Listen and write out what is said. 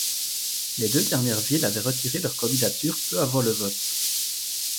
Les deux dernières villes avaient retiré leur candidature peu avant le vote.